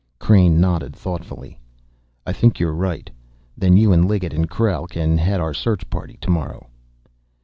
Crain nodded thoughtfully. "I think you're right. Then you and Liggett and Krell can head our search party to morrow."